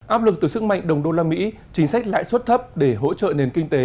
áp lực từ sức mạnh đồng đô la mỹ chính sách lãi suất thấp để hỗ trợ nền kinh tế